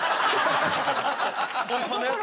ホンマのやつ。